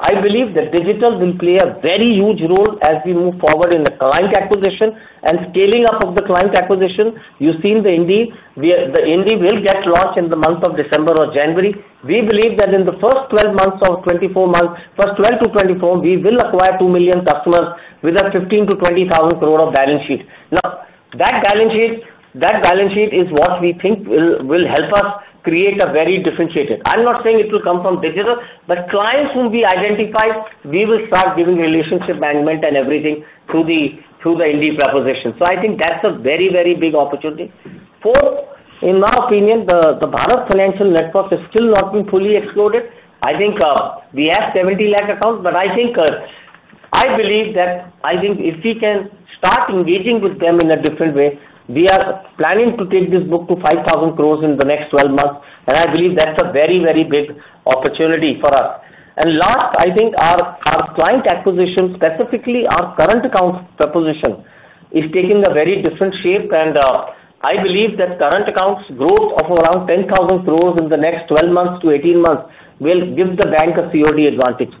I believe that digital will play a very huge role as we move forward in the client acquisition and scaling up of the client acquisition. You've seen the INDIE. The INDIE will get launched in the month of December or January. We believe that in the first 12 months or 24 months, 12-24, we will acquire 2 million customers with 15,000-20,000 crore of balance sheet. Now, that balance sheet is what we think will help us create a very differentiated. I'm not saying it will come from digital, but clients will be identified. We will start giving relationship management and everything through the INDIE proposition. I think that's a very, very big opportunity. Fourth, in my opinion, the Bharat Financial network has still not been fully exploited. I think we have 70 lakh accounts, but I think I believe that I think if we can start engaging with them in a different way, we are planning to take this book to 5,000 crore in the next 12 months. I believe that's a very, very big opportunity for us. Last, I think our client acquisition, specifically our current account proposition, is taking a very different shape. I believe that current accounts growth of around 10,000 crore in the next 12 months to 18 months will give the bank a CoD advantage.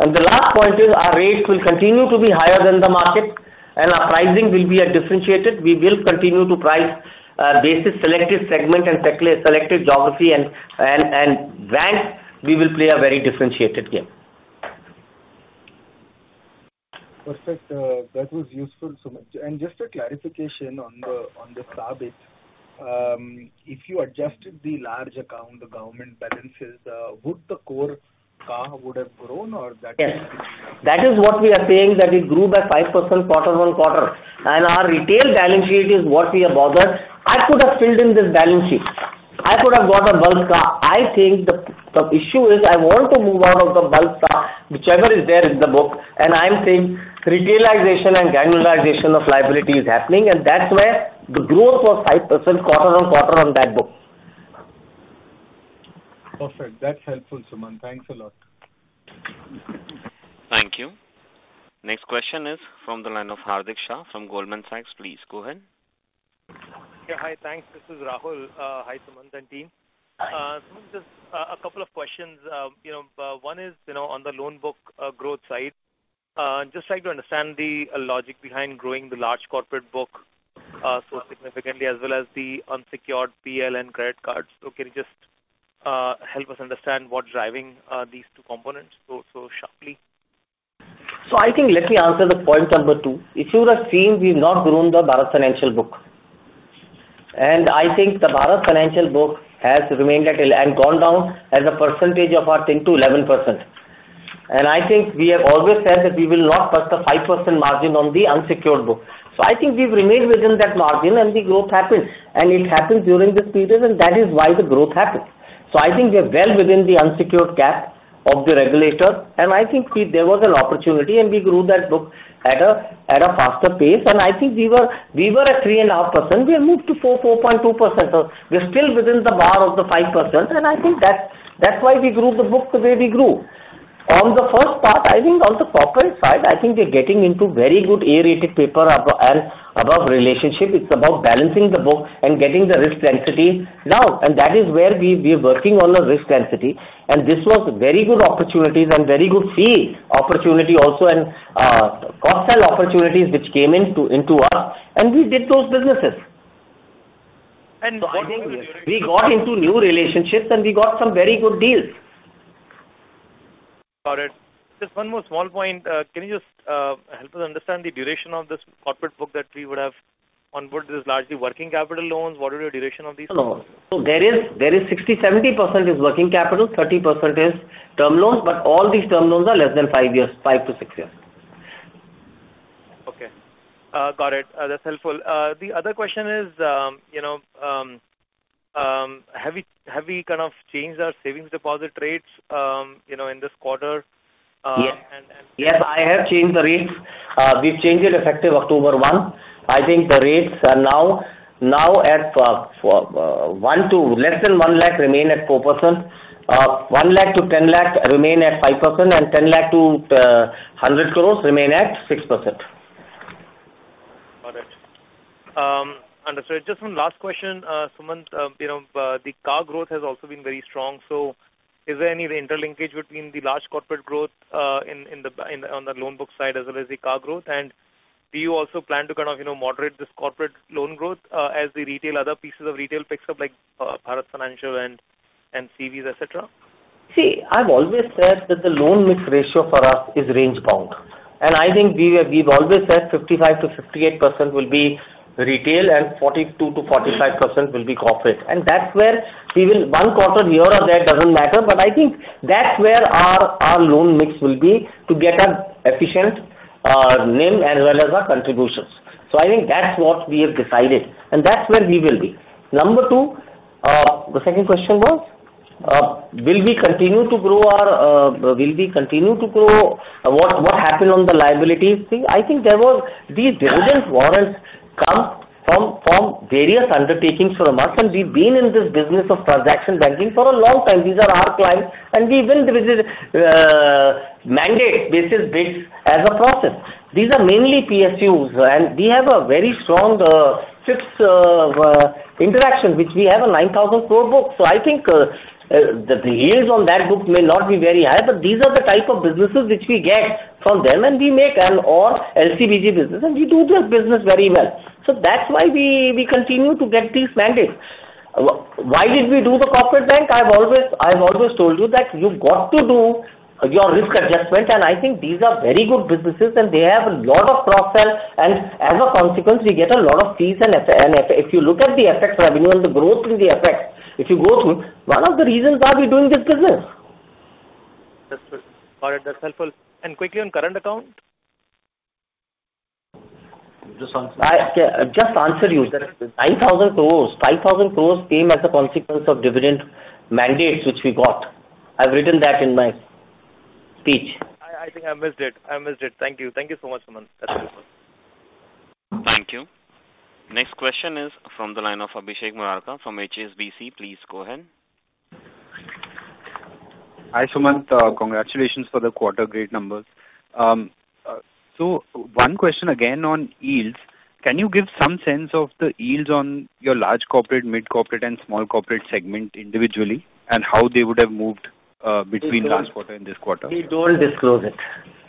The last point is our rates will continue to be higher than the market and our pricing will be differentiated. We will continue to price basis selective segment and selective geography and bank. We will play a very differentiated game. Perfect. That was useful, Sumant. Just a clarification on the CASA. If you adjusted the large account, the government balances, would the core CA have grown or that. Yes. That is what we are saying, that it grew by 5% quarter-on-quarter. Our retail balance sheet is what we are bothered. I could have filled in this balance sheet. I could have got a bulk CA. I think the issue is I want to move out of the bulk CA, whichever is there in the book. I am saying retailization and granularization of liability is happening, and that's where the growth was 5% quarter-on-quarter on that book. Perfect. That's helpful, Sumant Kathpalia. Thanks a lot. Thank you. Next question is from the line of Hardik Shah from Goldman Sachs. Please go ahead. Yeah. Hi. Thanks. This is Rahul. Hi, Sumant and team. Hi. Sumant, just a couple of questions. You know, one is you know, on the loan book growth side. Just trying to understand the logic behind growing the large corporate book so significantly as well as the unsecured personal loans and credit cards. Can you just help us understand what's driving these two components so sharply? I think let me answer the point number two. If you would have seen, we've not grown the Bharat Financial book. I think the Bharat Financial book has remained and gone down as a percentage of our total to 11%. I think we have always said that we will not cross the 5% margin on the unsecured book. I think we've remained within that margin and the growth happened, and it happened during this period, and that is why the growth happened. I think we are well within the unsecured cap of the regulator, and I think there was an opportunity and we grew that book at a faster pace. I think we were at 3.5%. We have moved to 4.2%. We're still within the bar of the 5%. I think that's why we grew the book the way we grew. On the first part, I think on the corporate side, I think we're getting into very good A-rated paper and above relationship. It's about balancing the book and getting the risk density down. That is where we are working on the risk density. This was very good opportunities and very good fee opportunity also and cross-sell opportunities which came into us, and we did those businesses. What were the relationships? We got into new relationships and we got some very good deals. Got it. Just one more small point. Can you just help us understand the duration of this corporate book that we would have onboard? Is this largely working capital loans? What are your duration of these loans? There is 60-70% working capital, 30% term loans, but all these term loans are less than 5 years, 5-6 years. Okay. Got it. That's helpful. The other question is, you know, have we kind of changed our savings deposit rates, you know, in this quarter? Yes, I have changed the rates. We've changed it effective October 1. I think the rates are now at for 1 to less than 1 lakh remain at 4%. 1 lakh to 10 lakh remain at 5%, and 10 lakh to 100 crores remain at 6%. Got it. Understood. Just one last question, Sumant. You know, the CAR growth has also been very strong. Is there any interlinkage between the large corporate growth on the loan book side as well as the CAR growth? And do you also plan to kind of, you know, moderate this corporate loan growth as the retail, other pieces of retail picks up like Bharat Financial and CVs, et cetera? See, I've always said that the loan mix ratio for us is range bound. I think we've always said 55%-58% will be retail and 42%-45% will be corporate. That's where we will be. One quarter here or there doesn't matter, but I think that's where our loan mix will be to get an efficient NIM as well as our contributions. I think that's what we have decided and that's where we will be. Number two, the second question was? What happened on the liabilities thing? I think there was these due diligence warrants come from various undertakings from merchants. We've been in this business of transaction banking for a long time. These are our clients, and we win the mandate basis this as a process. These are mainly PSUs, and we have a very strong fixed interaction, which we have a 9,000 crore book. I think the yields on that book may not be very high, but these are the type of businesses which we get from them and we make an LC/BG business, and we do this business very well. That's why we continue to get these mandates. Why did we do the corporate bank? I've always told you that you've got to do your risk adjustment, and I think these are very good businesses and they have a lot of profile. As a consequence, we get a lot of fees and If you look at the FX revenue and the growth in the FX, if you go through, one of the reasons are we're doing this business. That's good. All right. That's helpful. Quickly on current account. I just answered you. 9,000 crores. 5,000 crores came as a consequence of different mandates which we got. I've written that in my speech. I think I missed it. Thank you so much, Sumant. That's helpful. Thank you. Next question is from the line of Abhishek Murarka from HSBC. Please go ahead. Hi, Sumant. Congratulations for the quarter, great numbers. One question again on yields. Can you give some sense of the yields on your large corporate, mid corporate and small corporate segment individually, and how they would have moved between last quarter and this quarter? We don't disclose it.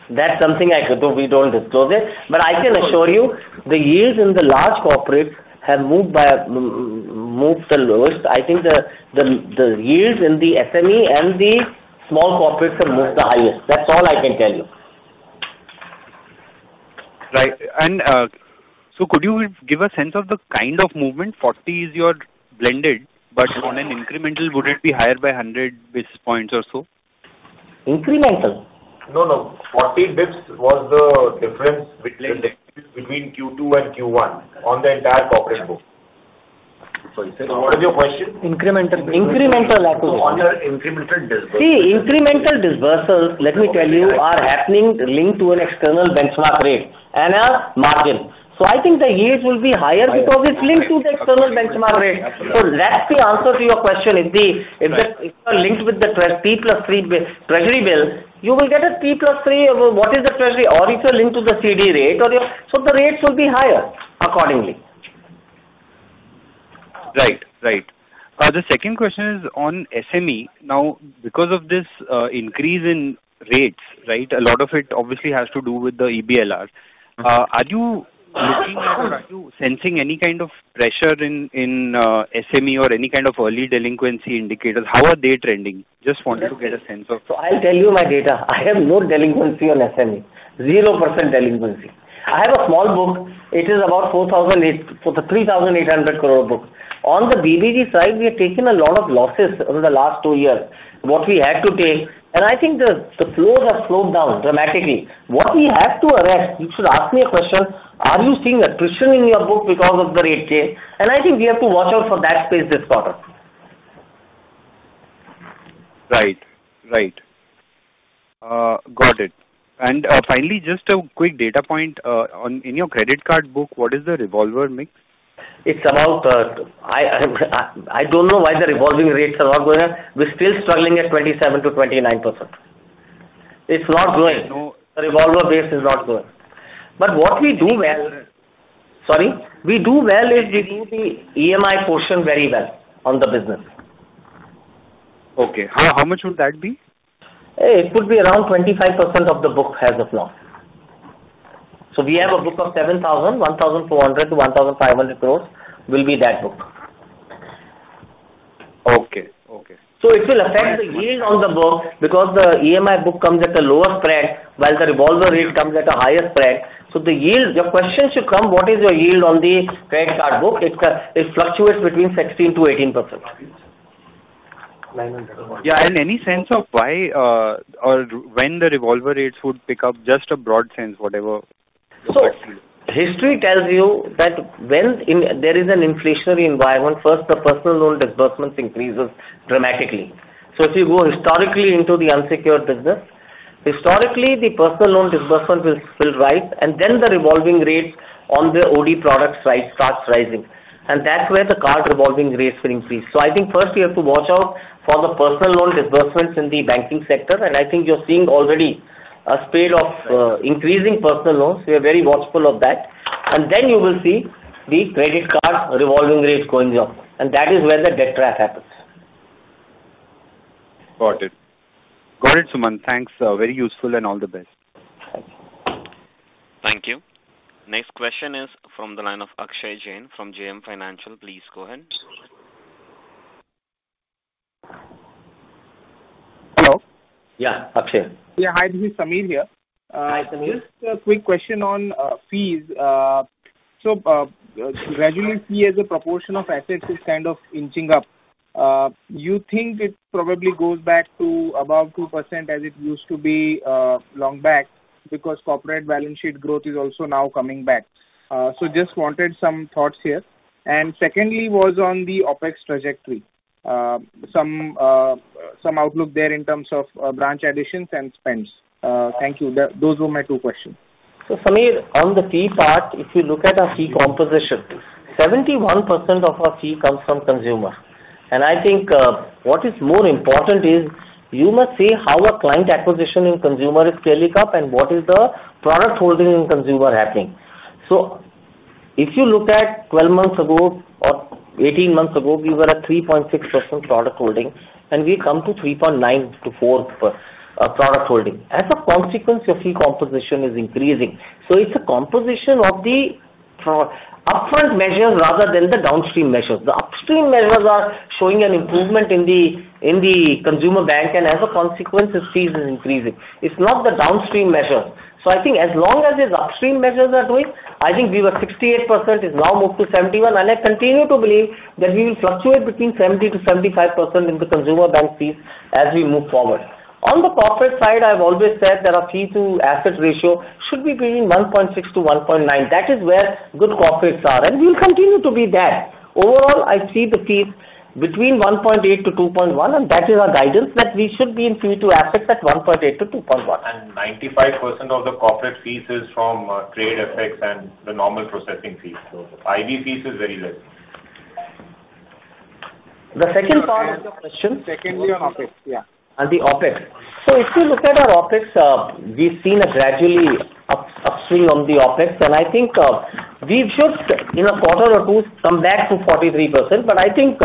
That's something I could do. We don't disclose it. I can assure you the yields in the large corporate have moved by, moved the lowest. I think the yields in the SME and the small corporate have moved the highest. That's all I can tell you. Right. Could you give a sense of the kind of movement? 40 is your blended, but on an incremental, would it be higher by 100 basis points or so? Incremental? No, no. 40 basis points was the difference between Q2 and Q1 on the entire corporate book? What is your question? Incremental. Incremental I could On your incremental disbursement. See, incremental disbursements, let me tell you, are happening linked to an external benchmark rate and a margin. I think the yields will be higher because it's linked to the external benchmark rate. That's the answer to your question. If you are linked with the T plus three 91-day treasury bill, you will get a T plus three. What is the treasury? Or if you are linked to the CD rate or your. The rates will be higher accordingly. Right. The second question is on SME. Now, because of this increase in rates, right? A lot of it obviously has to do with the EBLRs. Are you looking or are you sensing any kind of pressure in SME or any kind of early delinquency indicators? How are they trending? Just wanted to get a sense of. I'll tell you my data. I have no delinquency on SME. 0% delinquency. I have a small book. It is about 4,008, for the 3,800 crore book. On the BBG side, we have taken a lot of losses over the last two years, what we had to take, and I think the flows have slowed down dramatically. What we have to arrest, you should ask me a question, are you seeing attrition in your book because of the rate change? I think we have to watch out for that space this quarter. Right. Got it. Finally, just a quick data point. In your credit card book, what is the revolver mix? It's about, I don't know why the revolving rates are not going up. We're still struggling at 27%-29%. It's not growing. The revolver base is not growing. What we do well is we do the EMI portion very well on the business. Okay. How much would that be? It could be around 25% of the book as of now. We have a book of 7,000 crore. 1,400-1,500 crore will be that book. Okay. Okay. It will affect the yield on the book because the EMI book comes at a lower spread, while the revolver rate comes at a higher spread. The yield, your question should come, what is your yield on the credit card book? It fluctuates between 16%-18%. Yeah. Any sense of why or when the revolver rates would pick up? Just a broad sense, whatever. History tells you that when there is an inflationary environment, first the personal loan disbursements increases dramatically. If you go historically into the unsecured business, historically the personal loan disbursements will rise and then the revolving rates on the OD products starts rising. That's where the card revolving rates will increase. I think first you have to watch out for the personal loan disbursements in the banking sector. I think you're seeing already a spate of increasing personal loans. We are very watchful of that. You will see the credit card revolving rates going up. That is where the debt trap happens. Got it, Sumant. Thanks. Very useful and all the best. Thank you. Next question is from the line of Akshay Jain from JM Financial. Please go ahead. Hello. Yeah. Akshay. Yeah. Hi, this is Sameer here. Hi, Sameer. Just a quick question on fees. So, gradually fee as a proportion of assets is kind of inching up. You think it probably goes back to above 2% as it used to be long back? Because corporate balance sheet growth is also now coming back. So just wanted some thoughts here. Secondly, was on the OpEx trajectory. Some outlook there in terms of branch additions and spends. Thank you. Those were my 2 questions. Sameer, on the fee part, if you look at our fee composition, 71% of our fee comes from consumer. I think, what is more important is you must see how a client acquisition in consumer is scaling up and what is the product holding in consumer happening. If you look at 12 months ago or 18 months ago, we were at 3.6% product holding, and we've come to 3.9%-4% product holding. As a consequence, your fee composition is increasing. It's a composition of the product upfront measures rather than the downstream measures. The upstream measures are showing an improvement in the consumer bank, and as a consequence, its fees is increasing. It's not the downstream measure. I think as long as these upstream measures are doing, I think we were 68%, it's now moved to 71%, and I continue to believe that we will fluctuate between 70%-75% in the consumer bank fees as we move forward. On the corporate side, I've always said that our fee to asset ratio should be between 1.6-1.9. That is where good corporates are, and we will continue to be there. Overall, I see the fees between 1.8-2.1, and that is our guidance, that we should be in fee to assets at 1.8-2.1. 95% of the corporate fees is from trade FX and the normal processing fees. ID fees is very less. The second part of your question? Secondly on OpEx, yeah. On the OpEx. If you look at our OpEx, we've seen a gradually upward on the OpEx. I think we should, in a quarter or two, come back to 43%. I think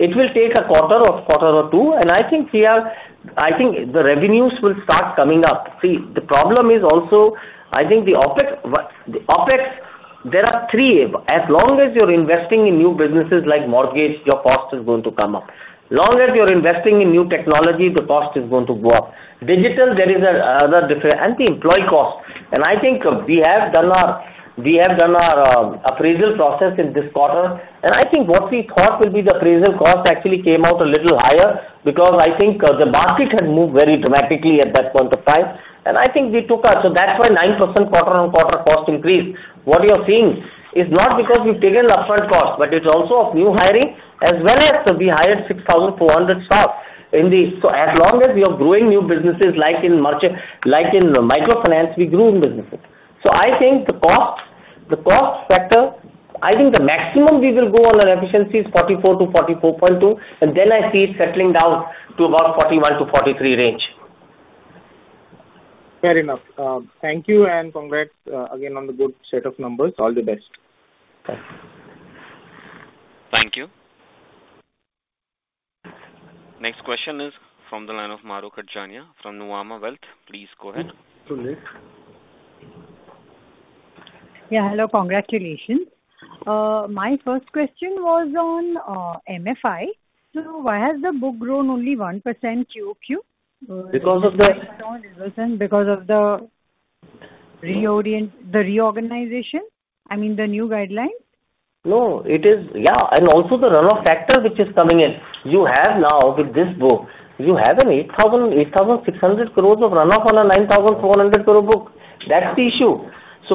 it will take a quarter or two, and I think here, I think the revenues will start coming up. See, the problem is also, I think the OpEx, there are three. As long as you're investing in new businesses like mortgage, your cost is going to come up. As long as you're investing in new technology, the cost is going to go up. Digital, there is a difference. The employee cost. I think we have done our appraisal process in this quarter. I think what we thought will be the appraisal cost actually came out a little higher because I think the market had moved very dramatically at that point of time. So that's why 9% quarter-on-quarter cost increase. What you're seeing is not because we've taken upfront cost, but it's also of new hiring as well as we hired 6,400 staff. So as long as we are growing new businesses like in merchant, like in microfinance, we grew in businesses. I think the cost factor, I think the maximum we will go on our efficiency is 44%-44.2%, and then I see it settling down to about 41%-43% range. Fair enough. Thank you and congrats, again on the good set of numbers. All the best. Thank you. Thank you. Next question is from the line of Mahrukh Adajania from Nuvama Wealth. Please go ahead. Sure. Yeah. Hello. Congratulations. My first question was on MFI. Why has the book grown only 1% QOQ? Because of the Because of the reorganization? I mean, the new guidelines. No, it is. Yeah, and also the runoff factor which is coming in. You have now with this book, you have an 8,600 crores of runoff on an 9,400 crore book. That's the issue.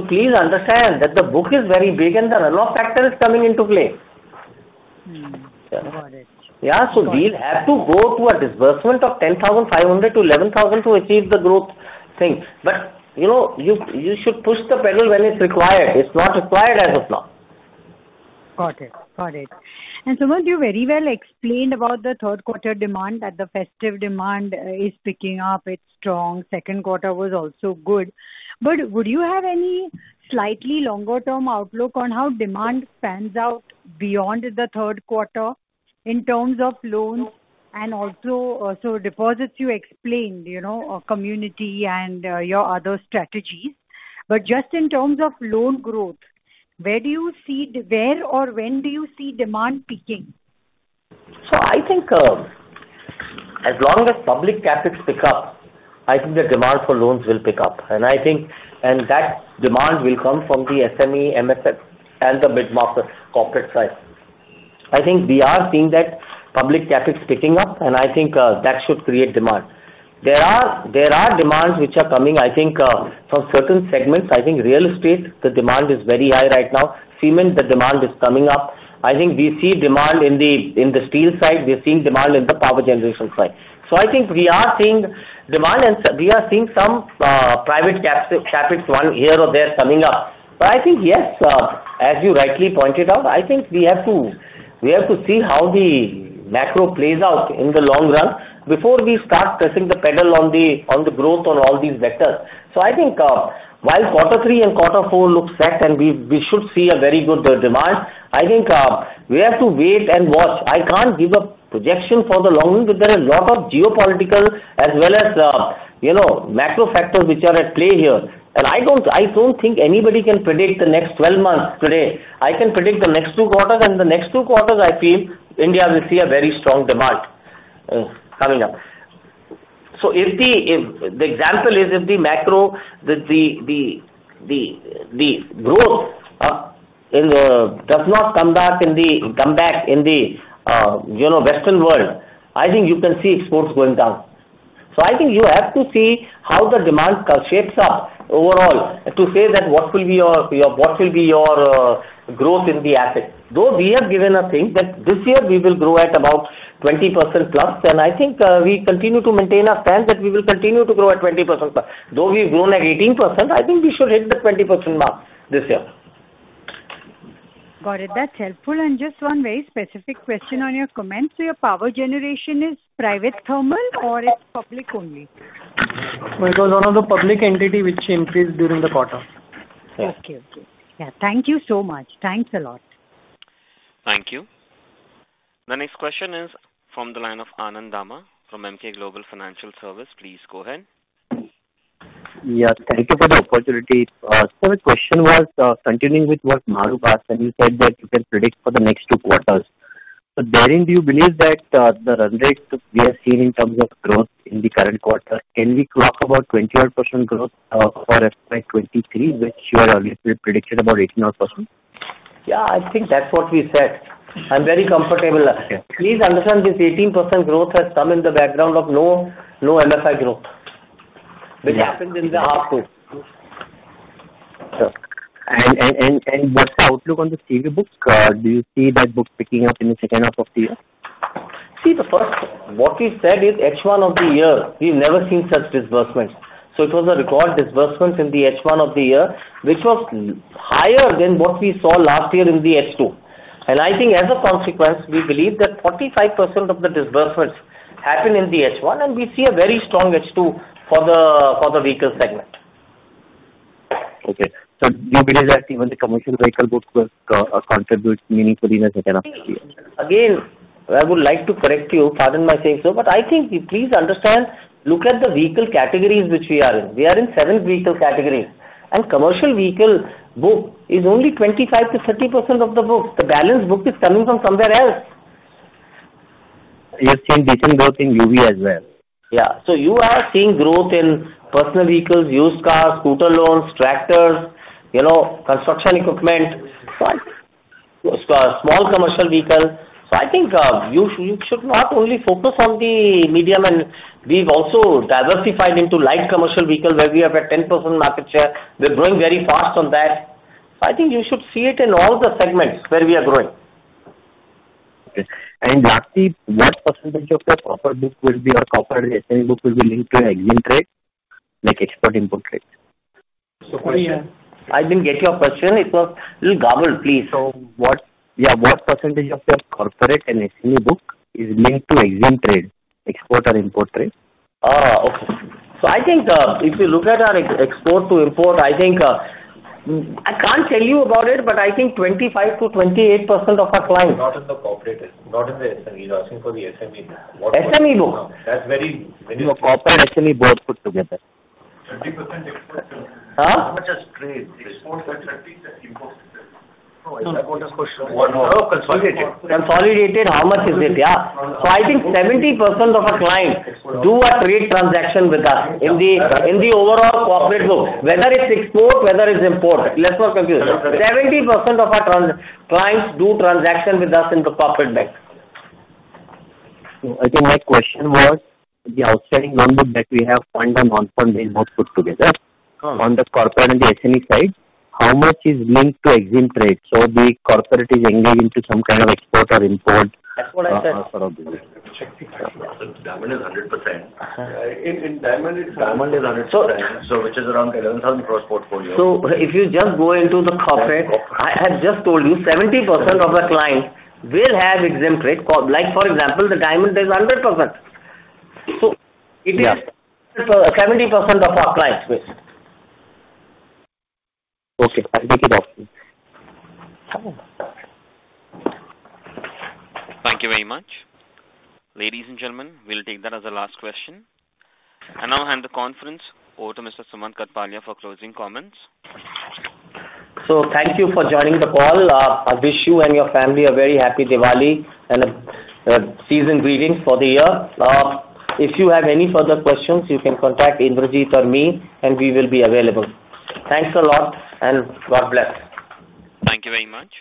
Please understand that the book is very big and the runoff factor is coming into play. Got it. Yeah. We'll have to go to a disbursement of 10,500-11,000 to achieve the growth thing. You know, you should push the pedal when it's required. It's not required as of now. Got it. Sumant, you very well explained about the Q3 demand, that the festive demand is picking up, it's strong. Q2 was also good. Would you have any slightly longer term outlook on how demand pans out beyond the Q3 in terms of loans and also, so deposits you explained, you know, community and your other strategies. Just in terms of loan growth, where do you see, where or when do you see demand peaking? I think, as long as public CapEx pick up, I think the demand for loans will pick up. I think that demand will come from the SME, MSME and the mid-market corporate side. I think we are seeing that public CapEx picking up, and I think that should create demand. There are demands which are coming, I think, from certain segments. I think real estate, the demand is very high right now. Cement, the demand is coming up. I think we see demand in the steel side. We're seeing demand in the power generation side. I think we are seeing demand and we are seeing some private CapEx one here or there coming up. I think, yes, as you rightly pointed out, I think we have to see how the macro plays out in the long run before we start pressing the pedal on the growth on all these vectors. I think, while Q3 and Q4 look set and we should see a very good demand, I think, we have to wait and watch. I can't give a projection for the long run because there are a lot of geopolitical as well as, you know, macro factors which are at play here. I don't think anybody can predict the next 12 months today. I can predict the next two quarters, and the next two quarters I feel India will see a very strong demand coming up. If the macro growth does not come back in the Western world, I think you can see exports going down. I think you have to see how the demand curve shapes up overall to say that what will be your growth in the asset. Though we have given a thing that this year we will grow at about 20%+, and I think we continue to maintain our stand that we will continue to grow at 20%+. Though we've grown at 18%, I think we should hit the 20% mark this year. Got it. That's helpful. Just one very specific question on your comments. Your power generation is private thermal or it's public only? No, it was one of the public entity which increased during the quarter. Okay. Okay. Yeah. Thank you so much. Thanks a lot. Thank you. The next question is from the line of Anand Dama from Emkay Global Financial Services. Please go ahead. Yeah, thank you for the opportunity. The question was, continuing with what Maru asked, and you said that you can predict for the next two quarters. Do you believe that the run rate we have seen in terms of growth in the current quarter, can we talk about 20-odd% growth for FY 2023, which you had earlier predicted about 18-odd%? Yeah, I think that's what we said. I'm very comfortable. Okay. Please understand this 18% growth has come in the background of no MFI growth. Yeah. Which happened in the H2. Sure. What's the outlook on the CV books? Do you see that book picking up in the second half of the year? See, the first, what we said is H1 of the year, we've never seen such disbursements. It was a record disbursement in the H1 of the year, which was higher than what we saw last year in the H2. I think as a consequence, we believe that 45% of the disbursements happen in the H1, and we see a very strong H2 for the vehicle segment. Okay. Do you believe that even the commercial vehicle books will contribute meaningfully in the second half of the year? Again, I would like to correct you. Pardon my saying so, but I think please understand, look at the vehicle categories which we are in. We are in seven vehicle categories. Commercial vehicle book is only 25%-30% of the book. The balance book is coming from somewhere else. You're seeing decent growth in UV as well. Yeah. You are seeing growth in personal vehicles, used cars, scooter loans, tractors, you know, construction equipment. Right. Small commercial vehicles. I think you should not only focus on the medium. We've also diversified into light commercial vehicles where we have a 10% market share. We're growing very fast on that. I think you should see it in all the segments where we are growing. Okay. Lastly, what percentage of your corporate book will be or corporate SME book will be linked to exim trade, like export-import trade? Sorry, I didn't get your question. It was a little garbled. Please. What percentage of your corporate and SME book is linked to exim trade, export or import trade? I think if you look at our export to import, I think I can't tell you about it, but I think 25%-28% of our clients. Not in the corporate. Not in the SME. He's asking for the SME book. SME book. That's very, very small. No, corporate, SME, both put together. 30% export. Huh? How much has trade export and import? Oh, consolidated, how much is it? Yeah. I think 70% of our clients do a trade transaction with us in the overall corporate book. Whether it's export, whether it's import. Let's not confuse. 70% of our trans-clients do transaction with us in the corporate bank. I think my question was the outstanding number that we have, fund and non-fund based books put together. Uh. On the corporate and the SME side, how much is linked to export trade? The corporate is engaged in some kind of export or import. That's what I said. Diamond is 100%. Uh. In demand, it's. Diamond is 100%. Which is around INR 11,000 crores portfolio. If you just go into the corporate, I had just told you 70% of the clients will have exim trade. Like for example, the diamond is 100%. Yeah. It is 70% of our client base. Okay. I'll take it off. Thank you very much. Ladies and gentlemen, we'll take that as our last question. I now hand the conference over to Mr. Sumant Kathpalia for closing comments. Thank you for joining the call. I wish you and your family a very happy Diwali and season greetings for the year. If you have any further questions, you can contact Indrajit or me, and we will be available. Thanks a lot and God bless. Thank you very much.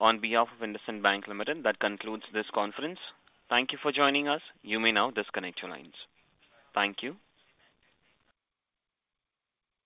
On behalf of IndusInd Bank Limited, that concludes this conference. Thank you for joining us. You may now disconnect your lines. Thank you.